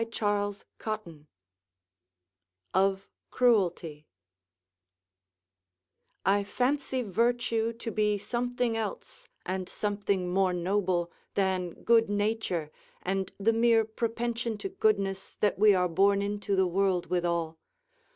CHAPTER XI OF CRUELTY I fancy virtue to be something else, and something more noble, than good nature, and the mere propension to goodness, that we are born into the world withal.